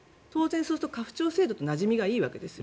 そうすると家父長制度と相性がいいわけです。